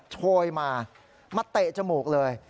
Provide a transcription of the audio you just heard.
โชยมามาเตะจมูกเลย